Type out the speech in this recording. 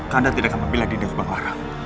ganda tidak akan membela ganda sebanglar